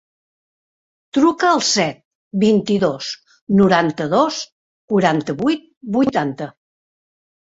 Truca al set, vint-i-dos, noranta-dos, quaranta-vuit, vuitanta.